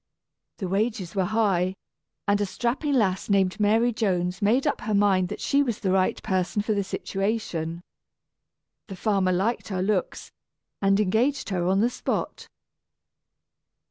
The wages were high, and a strapping lass named Mary Jones made up her mind that she was the right person for the situation. The farmer liked her looks, and engaged her on the spot.